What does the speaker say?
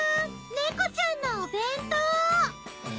猫ちゃんのお弁当！